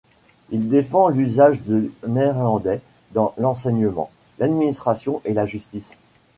Il défend l'usage du néerlandais dans l'enseignement, l'administration et la justice.